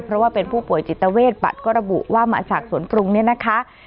เพราะว่าเป็นผู้ป่วยจิตเวทบัตรก็ระบุว่ามาจากสวนปรุงเนี่ยนะคะ